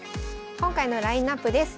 今回のラインナップです。